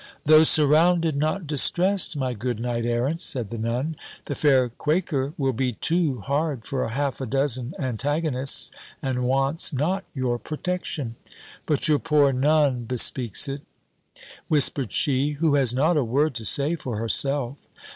"Though surrounded, not distressed, my good knight errant," said the Nun: "the fair Quaker will be too hard for half a dozen antagonists, and wants not your protection: but your poor Nun bespeaks it," whispered she, "who has not a word to say for herself."